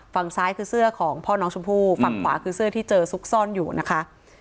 ฝั่งซ้ายคือเสื้อของพ่อน้องชมพู่ฝั่งขวาคือเสื้อที่เจอซุกซ่อนอยู่นะคะ